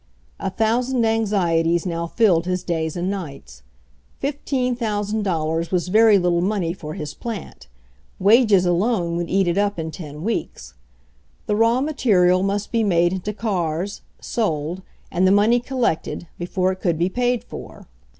A thousand anxieties now filled/his days and nights. Fifteen thousand dollars was very little money for his plant ; wages alone would eat it up in ten weeks. The raw material must be made into cars, sold, and the money collected, before it could be paid for.